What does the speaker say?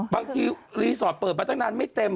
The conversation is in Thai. บางทีรีสอร์ทเปิดมาตั้งนานไม่เต็ม